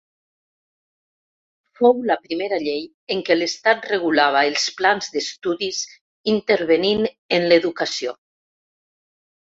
Fou la primera llei en què l'Estat regulava els plans d'estudis intervenint en l'educació.